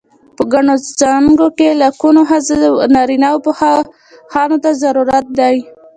په ګڼو څانګو کې لکونو ښځینه و نارینه پوهانو ته ضرورت دی.